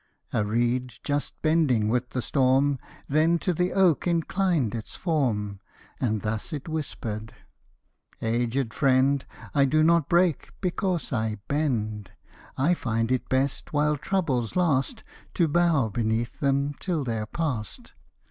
A reed, just bending with the storm, Then to the oak inclined its form ; And thus it whisper'd, '< Aged friend, I do not break, because I bend; I find it best, while troubles last, To bow beneath them till they're past."